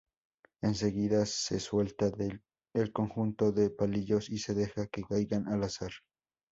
Enseguida, se suelta el conjunto de palillos y se deja que caigan al azar.